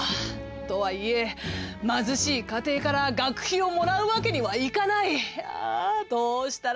とはいえ、貧しい家庭から学費をもらうわけにはいかない。